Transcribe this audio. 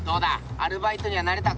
アルバイトには慣れたか？